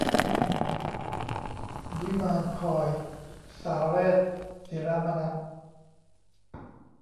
วิมานคอย - สาเรส ศิระมนัส